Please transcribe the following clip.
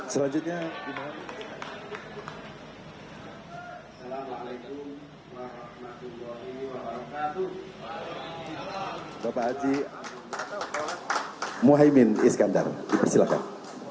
selanjutnya bapak haji muhyiddin iskandar silakan